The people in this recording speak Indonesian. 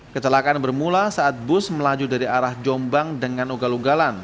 kecelakaan bermula saat bus melaju dari arah jombang dengan ugal ugalan